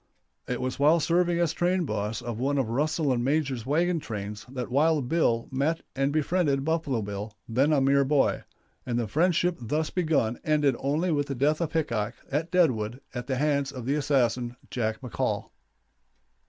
It was while serving as train boss of one of Russell & Majors wagon trains that Wild Bill met and befriended Buffalo Bill, then a mere boy; and the friendship thus begun ended only with the death of Hickok, at Deadwood, at the hands of the assassin Jack McCaul.